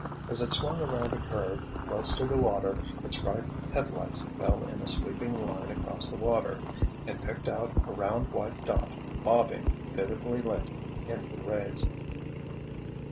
As it swung around a curve, close to the water, its bright headlights fell in a sweeping line across the water—and picked out a round, white dot bobbing, vividly lit, in the rays.